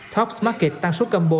top market tăng suất combo